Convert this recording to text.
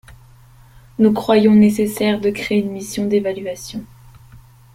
Nous croyons nécessaire de créer une mission d’évaluation.